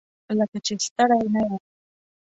لکه چې ستړی نه یې؟